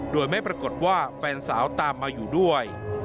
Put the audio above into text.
โดยไม่ปรากฏว่าแฟนสาวตามมาอยู่ด้วย